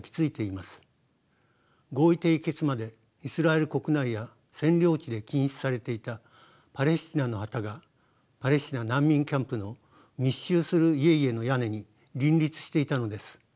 合意締結までイスラエル国内や占領地で禁止されていたパレスチナの旗がパレスチナ難民キャンプの密集する家々の屋根に林立していたのです。